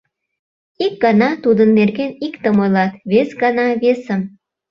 Ик гана тудын нерген иктым ойлат, вес гана весым.